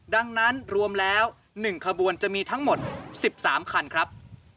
ดังนั้นรวมแล้ว๑ขบวนจะมีทั้งหมด๑๓คันครับ